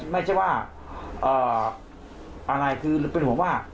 ไม่ใช่ว่าอะไรคือเป็นห่วงว่า